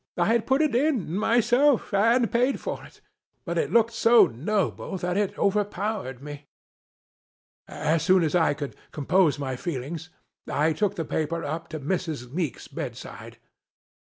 I had put it in, myself, and paid for it, but it looked so noble that it overpowered me. As soon as I could compose my feelings, I took the paper up to Mrs. Meek's bedside.